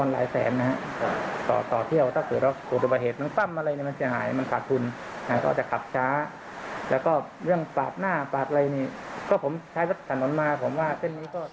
แล้วก็เรื่องปากหน้าปากไรนี่ก็ผมใช้รถขันอ่อนมาผมว่าเจ้นนี้ก็